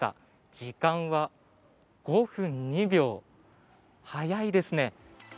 時間は５分２秒、早いですね。